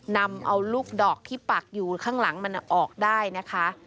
นำเอาลูกดอกที่ปักอยู่ข้างหลังมันออกได้นะคะ